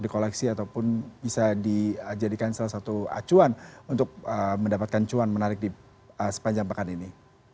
di koleksi ataupun bisa dijadikan salah satu acuan untuk mendapatkan cuan menarik di sepanjang pekan ini